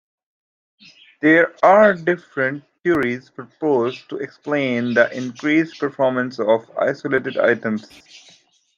There are different theories proposed to explain the increased performance of isolated items.